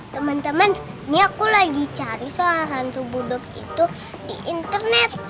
teman teman ini aku lagi cari soal hantu budok itu di internet